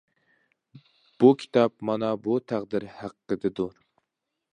بۇ كىتاب مانا بۇ تەقدىر ھەققىدىدۇر.